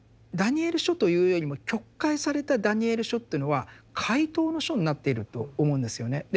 「ダニエル書」というよりも曲解された「ダニエル書」というのは解答の書になっていると思うんですよね。